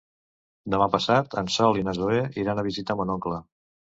Demà passat en Sol i na Zoè iran a visitar mon oncle.